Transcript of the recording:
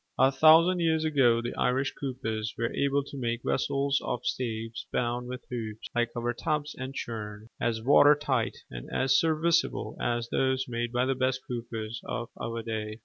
A thousand years ago the Irish coopers were able to make vessels of staves bound with hoops, like our tubs and churns, as water tight and as serviceable as those made by the best coopers of our day.